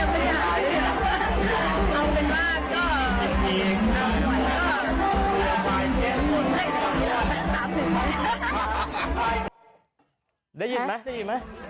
ได้ยินไหมได้ยินไหม